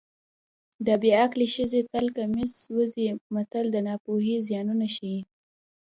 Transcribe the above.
د بې عقلې ښځې تل کمیس سوځي متل د ناپوهۍ زیانونه ښيي